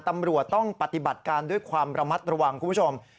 ตำรวจต้องปฏิบัติการด้วยความระมัดระวังคุณผู้ชม